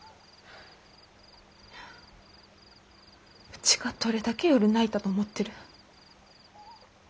うちがどれだけ夜泣いたと思ってる？